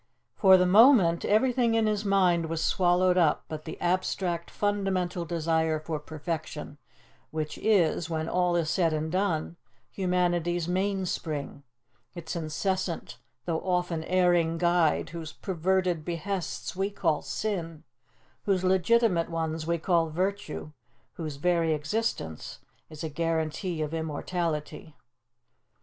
For the moment everything in his mind was swallowed up but the abstract, fundamental desire for perfection, which is, when all is said and done, humanity's mainspring, its incessant though often erring guide, whose perverted behests we call sin, whose legitimate ones we call virtue; whose very existence is a guarantee of immortality.